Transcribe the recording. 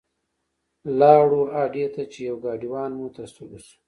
لاړو اډې ته چې یو ګاډیوان مو تر سترګو شو.